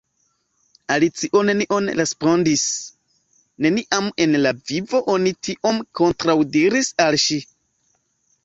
Alicio nenion respondis. Neniam en la vivo oni tiom kontraŭdiris al ŝi.